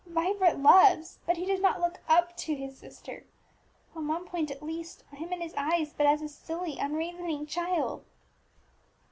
Vibert loves but he does not look up to his sister; on one point, at least, I am in his eyes but as a silly, unreasoning child!"